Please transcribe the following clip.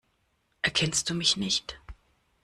Erkennst du mich nicht?